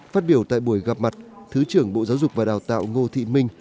phát biểu tại buổi gặp mặt thứ trưởng bộ giáo dục và đào tạo ngô thị minh